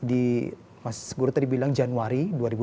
di mas guru tadi bilang januari dua ribu dua puluh